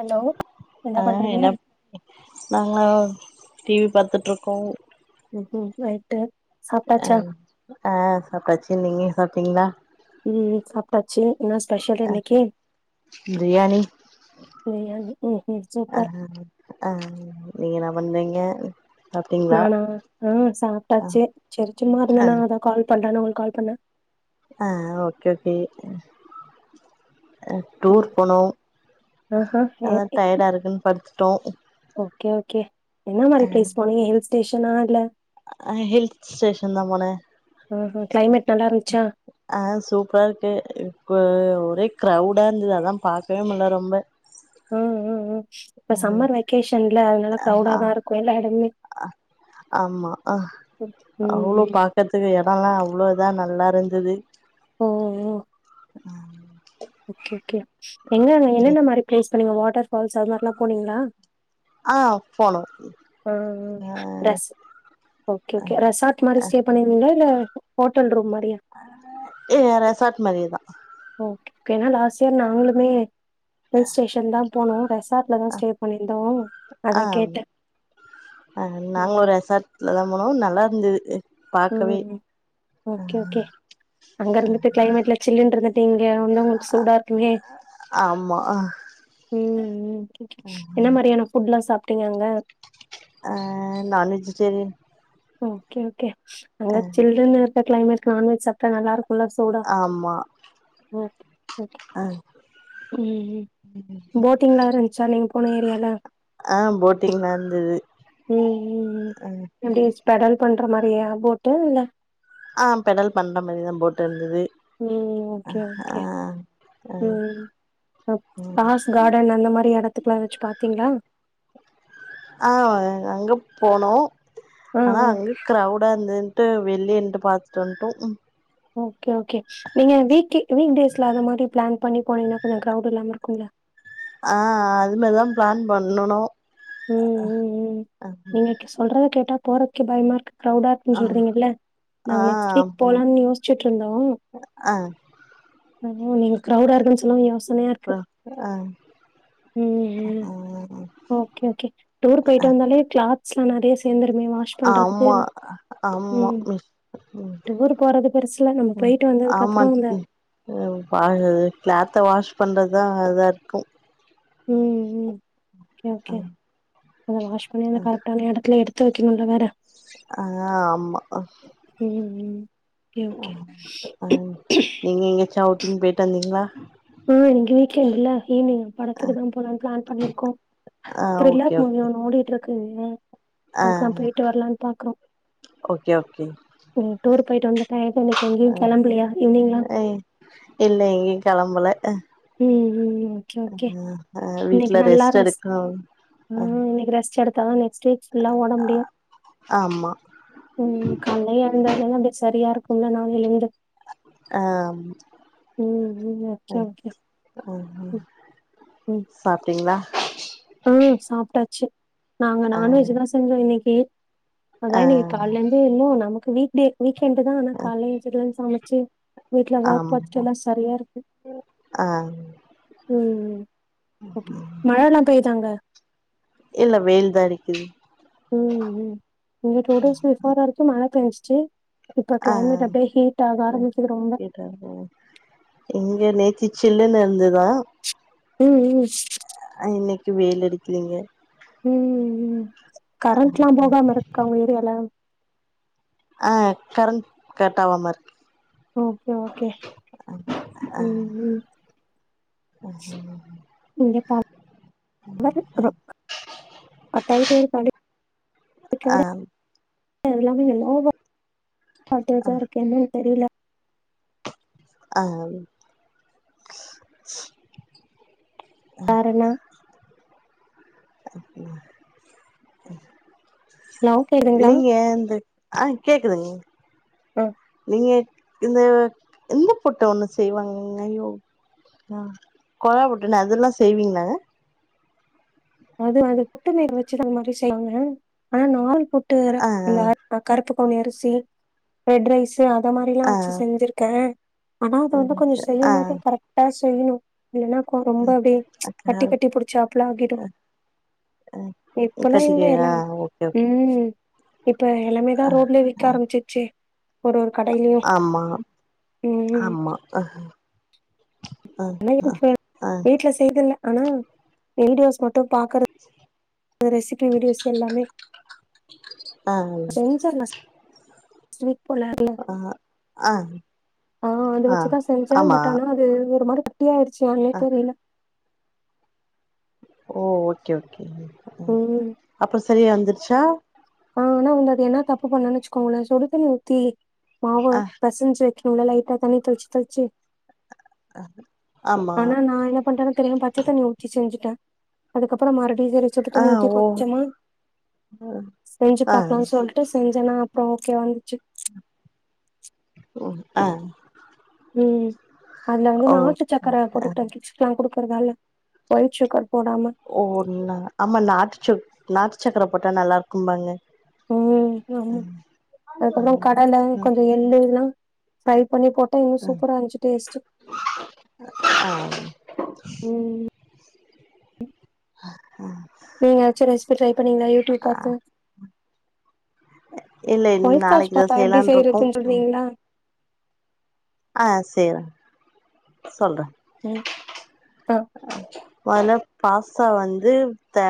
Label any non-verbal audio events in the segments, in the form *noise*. Hello ஆஹ் என்ன நாங்க டிவி பாத்துட்ருக்கோ உஹு நைட்டு சாப்ட்டாச்சா ஆஹ் ஆஹ் சாப்டாச்சு நீங்க சாப்ட்டிங்ளா உம் சாப்ட்டாச்சு என்னா ஸ்பெஷல் இன்னைக்கி பிரியாணி ம் ம் சூப்பர் ஆஹ் ஆஹ் நீங்க நா பண்றிங் யானு நானா ஆஹ் ஆ சாப்டாச்சு சரி சும்மா இருந்தனா அதா கால்ப் பண்றானு உங்கள்க் கால் பண்ண ஆஹ் ஓகே ஓகே அ ம் டூர் பொனோ ஆஹா எ அதா டயர்டாருக்குன் படுத்துட் டோ ஒகே ஒகே என்ன மாரி ப்ளேஸ் போனிங்க ஹில்ஸ் டேஷனா இல்ல அஹ ஹில் ஸ்டேஷன் தா பொன ஆஹா கிளைமேட் நல்லா இருந்ச்சா ஆஹ் சூப்ராருக்கு இ கு ஒரே க்ரௌடா இருந்தது அதா பாக்கவே முல்ல ரொம்ப ஆ ஆ ஆ இப்ப அஹ் சம்மர் வெக்கேஷன்ல அதனால அ க்ரௌடா ஹா தா இருக்கு எல்லா எடமுமே அ ஆமா ஆஹ் ம் அவ்ளோ ம் பாக்கத்துக்கு எடொல்லா அவ்ளோ இதா நல் நல்லாருந்தது ஓ உம் ஒக்கெ ஒகெய எங்கன் என்னென்ன மாரி ப்ளேஸ் இப்ப நீங்க வாட்டர்ஃபால்ஸ் அது மார்ல்லா போனிங்களா ஆ போனோ ஆஹ் ஆ ரஸ் ஓகே ஓகே ரெசார்ட் மாரி ஸ்டே பண்ணிர்ந்திங்ளா இல்ல ஹோட்டல் ரூம் மாரி ஏ ரெசாட் மாரியேதா ஓகே கெனலா சர் நாங்களுமே ஹில் ஸ்டேஷன் தா போனோ ரெசார்ட்லதா ஸ்டே பண்ணிருந்தோ ஆ அதா கேட்டே ஆ உ ருந்துது உம் ஓகே ஓகே அங்க இருந்துட்டு கிளைமேட்ல சில்லுன் இருந்து ஒண்ணு உங்களுக்கு சூடா இருக்குமே ஆமா உம் உம் என்ன மாதிரியான ஃபுட்லா சாப் ட்டிங்க அங்க அஹ் நான் வெஜிடேரியன் ஓகே ஓகே அங்க சில்லுனு இருக்கற கிளைமேட் நான்வெஜ் சாப்டா நல்லா இருக் கு ல சூடா ஆமா ஓகே ஓகே ஆ உம் உம் போட்டிங்லா வேற இருந்துச்சா நீங்க போன ஏரியால ஆஹ் போட்டிங்லா இருந்தது ம் ம் ம் அஹ் எப்டி பெடல் பண்ற மாரியா போட்டு இல்ல ஆஹ் பெடல் பண்ற மாரி தா போட் இருந்துது உம் ஓகே ஓகே ஆ உம் ம் பாஸ் கார்டன் அந்த மாரி எடத்துக்குலா வச்சு பாத்தீங்களா ஆ அங்க போனோ ஆ ஆனா ஆ அங்க கிரௌடா இருந்துது ட்டு வெளிய நிண்டு பாத்துட்டு வன்டோ ஓகே ஓகே நீங்க வீக்கு வீக்டேஸ்ல அந்த மாரி பிளான் பண்ணி போனீங்கன்னா கொஞ்சோ கிரௌட் இல்லாம இருக்கும்ல ஆஹ் அது மாரி தா பிளான் பண்ணனு உம் உம் உம் ஆ நீங்க இக்க சொல்றத கேட்டா போறக்கே பயமா இருக்கு கிரௌடா இருக்குன்னு ஆ சொல்றீங்கல்ல ஆ நாங்க நெக்ஸ்ட் வீக் ம் போலாம்னு யோசிச்சுட்டு இருந்தோ ஆ ஆ நீங்க க்ரௌவ்வுடா இருக்குன்னு சொல்லுவு யோசிச் அப் ஆஹ் உஹம் ஒகே ஒகே டூர் போயிட்டு வந்தாலே கிளாத் ஸ்லா நெறைய சேந்து ஆமா ஆமா ம் ம் டூர் போறது பெருசுல. நம்ம ம் போயிட்டு வந்ததுக்கப்புறம் ஆமாங் அந்த ம் அவ் வாழ்றது க்ளாத்த வாஷ் பண்ணுறதா அதார்க்கு ம் ம் கே ஒகே அமா வாஷ் பண்ணி அத கரக்ட்டான எடத்துல எடுத் தொவக்கனு உள்ள வேற ஆ ஆமா ம் ம் ஓகே, ஓகே. அ அ நீங்க எங்கயாச்சும் அவுட்டிங் போயிட்டு வந்தீங்களா ஆ எங்க வீட்ல இல்ல ஈவினிங் படத்துக்கு தான் போலானு பிளான் பண்ணிருக்கோம் ஆ ஓகே த்ரில்லர் மூவி ஓகே ஒன்னு ஓடிட்டு இரு க்கு இன்னா ஆ அதுக்குதான் போயிட்டு வரலாம்னு பாக்குறோம் நீ டூர் போயிட்டு வந்து டயர்டா இன்னைக்கு அ எங்கேயும் கெளம்பலையா ஈவ்னிங்லாம்? அ இல்ல எங்கயும் கெளம்பல அ ம் ம் ஓகே ஓகே ஆ வீட்ல இன்னிக்கு நல்லா ரெஸ்ட் இருந்த சிஸ் எடுக்கணு ஆ ம் இன்னிக்கு ட்ரெஸ் எடுத் தானே ஸ்டேஜ் ஃபுல்லா ஓட முடியும் ஆமா ம் காலைல்ல எழுந்ததிலிருந்து அப்படியே சரியா இருக்கோ உன்ன நான் எழுந்து ஆ ம். Okay, okay. ஆ ம் பாத்தீங்களா ம் சாப்ட்டாச்சு நாங்க ஆ நான்வெஜ்தா செஞ்சோ இன்னக்கி ஏன் அதா ஆ இன்னக்கி கால்ல இருந்து இன்னு நமக்கு வீக் டே வீக் எண்டுதா ஆன கால்ல எந்திச்சத்துல இருந்து சமச் சேரி வீட்ல எதா ஒர்க் பாத்துட்டு ஆமா இருந்தா சரியா இருக்கு ஆ ம் ம் ஓகே மழல்லாம் வ இல்ல வெயில் தா அடிக்குது ம் உம் *unintelligible* வரைக்கும் மழ பேஞ்சுச்சு ஆஹ் ரொம்ப *inaudible* இங்க நேத்தி சில்லுன்னு இருந்துதா உம் உம் இன்னைக்கு வெயில் அடிக்கலீங்க உஹம் உம் கரண்ட் எல்லா போகாம இருக்கா உங்க ஏரியால ஆஹ் கரண்ட் கட் ஆவாம இருக்கு ஓகே ஓகே உம் உம் ம் ம் ம் *unintelligible* அடிக்கடி ஆஹ எல்லாமே எல்லாவ அடுத்தச்ச இருக்கேன்னு தெரியல ஆ வேற என்ன ம் ம் ஹலோ கேக்குதுங்களா நீங்க அந்த ஆஹ கேக்குதுங்க உம் நீங்க இந்த இந்த புட்டு ஒன்னு செய்வாங்க ஐயோ ஹ கொழா புட்டுனு அதெல்லா செய்வீங்லாங்க அது அது புட்டு நீீர் வெச்சுதா அந்த மாரி செய்வாங்க ஆனா நா ஆள் போட்டு அற ஆ அந்த கருப்பு பொன்னி அரிசி ரெட் ரைஸ் தே அத மாரி எல்லா ஆ வெச்சு செஞ்சிருக்கே ஆனா அத வந்து கொஞ்சோ ஆ செய்யும் போது கரெக்டா செய் செய்யனு இல்லேன்னா கோ ரொம்ப அப்டியே ஆ கட்டி கட்டி புடிச்சா அப்லா ஆகிடு இப்பல்லா எங்க கத்திரிக்கா எல்லா ஆ ஓகே உ இப்ப எல்லாமே தா ரோட்லே விக்க ஆரம்பிச்சிச்சே ஒரு ஒரு கடையிலையு ஆமா உம் ஆமா ஆ ஆ என்ன வீட்ல ஆ வீட்ல செய்தில்ல ஆனா வீடியோஸ் மட் டு பாக்கற ரெசிபி வீடியோஸ் எல்லாமே ஆ செஞ்ஜர்லா சுவிட் போல ஆ ஆ ஆஹ அத ஆ வச்சுதா செஞ்சே ஆமா பட் ஆனா அது ஒரு மாரி இப்டி ஆயிடுச்சு ஆண்ணே அ தெரில ஓ ஓகே ஓகே உம் ம் அப்புறஸ் சரியா வந்துருச்சா நானா முன்னடின்னா தப்பு பண்ணன்னு வச்சுகோங்களே சுடுதண்ணி ஊத்தி மாவா அ பெசஞ்சு *unintelligible* லைட்டா தண்ணி தொழுச்சு தொழுச்சு ஆமா ஆனா நா என்ன பண்றதுன்னு தெரியாம பச்சத்தண்ணி ஊத்தி செஞ்சு அதுக்கப்பற மாறு பிரிசரு சுடு ஆ தண்ணி ஊத்தி ஓ கொஞ்சமா செஞ்சு ஆ பாக்கலா சொல்ட்டு செஞ்சனா அப்புறோ ஓகே வந்துச்சு ஒ ஆஹ் ம் அதுல வந்து நாட்டு சக்கரை போட்டுடே கிட்ஸ்க்லா குடுக் ஒரு வேல ஒய்ட் சுகர் போடாம ஓவ்வன்னா ஆமா நாட்டுச்சு நாட்டு சக்கர போட்டா நல்லா இருக்கு பாங்க உம் ஆமா அ அதுக்கப்பறோ கடல ம் கொஞ்ச எள்ளு இதல்லா சய்த் பண்ணி போட்டா இன்னு சூப்பரா இருந்ச்சு டேஸ்டு ஆ ம் நீங்க எதச்சு ரெசிபி ட்ரை பண்ணீங்களா யூடுப் பாத்து இல்ல ஒய்ட் சாஸ் நாளைக்கு தா பாஸ்தா எப்டி செய்யலான்னு இருக்கோ செய்யறதுனு சொல்றீங்ளா ஆஹ் செய்றே சொல்ற உம் முதல்ல பாஸ்தா வந்து த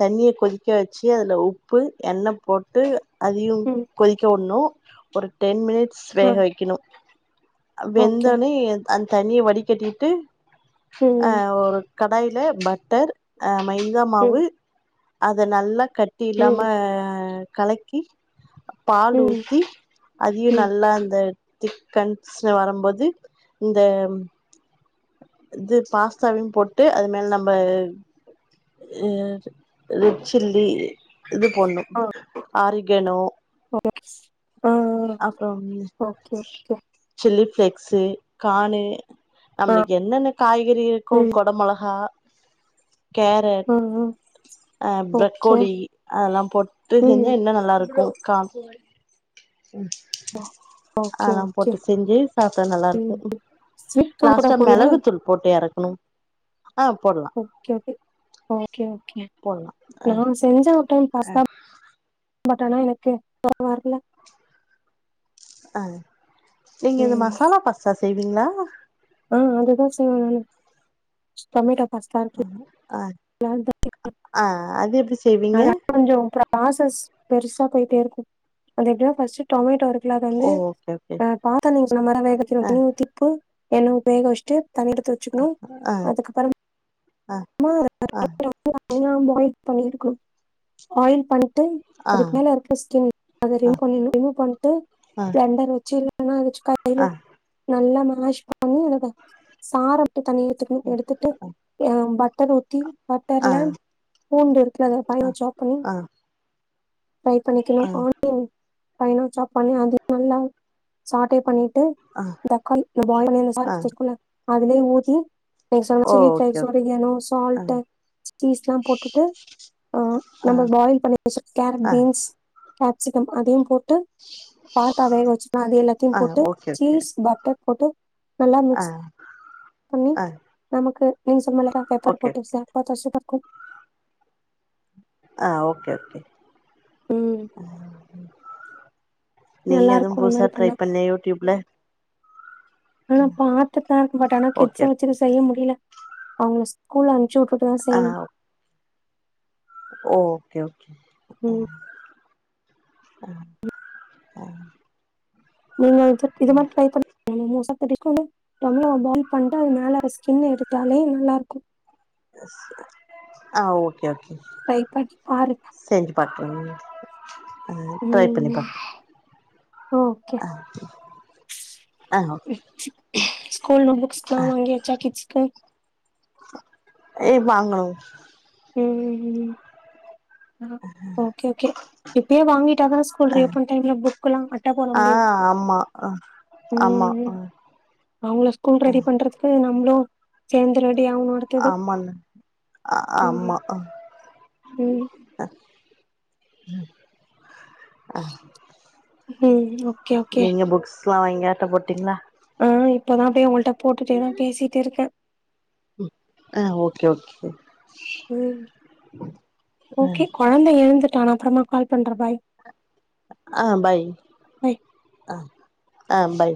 தண்ணியே கொதிக்க வச்சு அதில உப்பு எண்ணெ போட்டு அதையு ம் கொதிக்க உடணு ஒரு டென் மினிட் ஸ் ஆ வேக வைக்கணு ஓகே வெந்தோனே அந் தண்ணிய வடி கட்டிட்டு ம் ஆஹ் ஒரு கடாய்ல பட்டர் ஆஹ் ம் மைதாமாவு அது நல்ல கட்டி இல்லாம ம் கலக்கி பால் ம் ஊத்தி அதியு ம் நல்லா அந்த திக்கன்சு வரும்போது இந்த இது பாஸ்தாவையு போட்டு அது மேல நம்ம ஹ ரெட் சில்லி இது போண்ணும் ஆரி கெனு ளக்ஸ் அப்புற ஓகே சில்லி ஃப்ளெக்ஸு கானு ஆ நம்மளுக்கு என்னென்ன காய்கறி இருக்கு ம் கொட மொளகா கேரட் ஆ ஆ ஹ ஓகே பிரக்கோலி அதெல்லாம் போட்டு ம் செஞ்சா இன்னு நல்லாருக்கு காம் ம் ஆ ஓகே அதெல்லாம் ஓகே போட்டு செஞ்சு சாப்ட்டா நல்லாருக்கு ம் ஸ்வீட் கார்ன் கூட லாஸ்ட்டா மெளகுத்தூள் போட்டு எறக் னும் ஓக்கே ஓகே ஓகே ஓகே போட்லா அ நா செஞ்சே ஒர் டைம் அ பாஸ்தா பட் ஆனா எனக்கு *inaudible* வர்ல ஆ நீங்க இந்த மசாலா பசஸ் செய்வீங்ளா ஆஹ் அததா செய்வேன் நானு டொமேட்டோ பாஸ்தா இருக்குல்ல அஹ் அது அஹ் அது எப்டி செய்வீங்க அதா கொஞ்சோ ப்ராசஸ் பெருசா போயிட்டே இருக்கும் அது எப்டினா ஃபஸ்ட் டொமேட்டோ இருக்கு ல அத ஓ வந்து ஓகே ஓகே ஆஹ் பாத்தா நீங்க சொன்ன மாரிதா வேக வைக்க அ தண்ணி ஊத்தி உப்பு எண்ண வேக வஷ்டு தனியா எடுத்து வச்சுக்கணும் அ அதுக்கப்புறமா அ அத அ *inaudible* நல்லா பாயில் பண்ணிருக்கனும் பாயில் பண் டு ஆ அதுக்கு மேல இருக்குற ஸ்கின் அத அ ரிமூவ் பண்ணிர்னும் ரிமூவ் பண்ட்டு அ பிளண்டர் வச்சு நல்லா அ அரச்சு *unintelligible* நல்ல மா வாஷ் பண்ணி அதோட சாரம் தனியா எடுத்துகனு எடுத்துட்டு பட் டர் ஊ த்தி ஆ அ பட்டர்ல பூண்டு இருக்குல அத ஆ ஃபைனா சாப் பண்ணி ப்ரை ஆ பண்ணிக்கணும் ஆனியன் ஃபைனா சாப் பண்ணி அது நல்லா சாட்டே பண்ணி டு ஆ தக்காளி இந்த ஆ பாயில் *unintelligible* அதுலே ஊத்தி ஓ ஓகே ஓகே ஆ *unintelligible* டு சீஸ்ல்லாம் போட்டுட்டு அஹ் ஆ நம்ம பாயில் பண்ணி வச்சி இருக்க கேரட் ஆ பீன்ஸ் காப்சிகம் அதையும் போட் டு பாத்தா வேக வச்சோல்ல அது எல்லாத்தையும் ஆ போட்டு ஓகே ஓகே சீஸ் பட்டர் போட்டு நல்லா ஆ மிக்ஸ் பண்ணி ஆ நமக்கு மிளகா பெப்பர் ஓகே போட்டு *unintelligible* ஆ ஓகே ஓகே ம் உஹம் நீங்க நல்லா எதுவும் இருக்கு இது புதுசா மாரி ட்ரை பண்ணா பண்ணே யூ டியூப்ல ஆனா பாத்துப்பேன் பட் ஆனா ஓகே கிட்ஸ வச்சுன்னு செய்ய முடியல அவங்க ஸ்கூல அனுப்ச்சுட்டுட்டுதா ஆ செய்யணும் ஓகே ஓகே ம் நீங்க இ இது மாரி ட்ரை பண் *inaudible* *unintelligible* பாயில் பண்ட்டு அது மேல ஸ்கின் எடுத்தாலே நல்லாருக்கு ஆ ஓகே ஓ ட்ரை பண்ணி பாருங்க *inaudible* ஆ ட்ரை பண்ணி ம் பாக்கற ஓகே ஆ ஓகே ஸ்கூல்ல புக்ஸ்லா வாங்கியாச்சா கிட்ஸ்க்கு ஏ வாங்ணு ம் ம் ஆ ஓகே ஓகே இப்பயே வாங்கிட்டாதா ஸ்கூல் ரீ ஓபன் டைம்ல புக்கல்லா அட்ட போட ஆ முடியு ஆமா ஆ ம் ஆமா ம் ஆ அவங்கள ஸ்கூல் ரெடி பண்றதுக்கு நம்ளு சேந்தர வேண்டி ஆமாங்க ஆ ம் ஆமா அ ம் ம் ஓகே ஓகே லா வாங்கி அட்ட போட்டிங்ளா அ இப்பதா போய் அவங்கள்ட்ட போட்டுட்டேதா பேசிட்டு இருக்க அ ஓகே ஓகே ம் ஆ ஓகே கொழந்த எழுந்துட்டா நா அப்பறமா கால் பண்ற பாய் ஆ பை பாய் அ ஆ பை